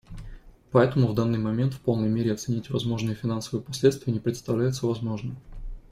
Поэтому в данный момент в полной мере оценить возможные финансовые последствия не представляется возможным.